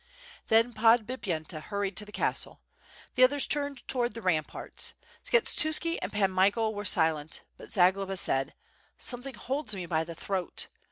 Then Podbipyenta hurried to the castle; the others turned towards the ramparts. Skshetuski and Pan Michael were silent, but Zagloba said: "Something holds me by the throat.